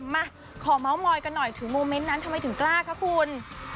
มาขอเมาส์มอยกันหน่อยถึงโมเมนต์นั้นทำไมถึงกล้าคะคุณ